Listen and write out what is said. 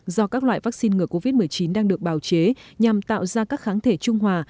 do các loại vaccine ngừa covid một mươi chín đang được bào chế nhằm tạo ra các kháng thể trung hòa